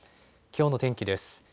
きょうの天気です。